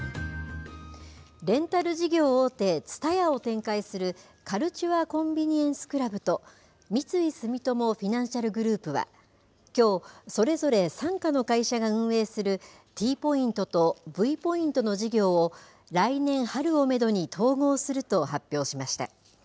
レンタル事業大手、ＴＳＵＴＡＹＡを展開する、カルチュア・コンビニエンス・クラブと、三井住友フィナンシャルグループはきょう、それぞれ傘下の会社が運営するＴポイントとＶポイントの事業を、来年春をメドに統合すると発表しました。